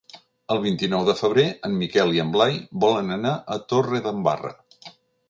El vint-i-nou de febrer en Miquel i en Blai volen anar a Torredembarra.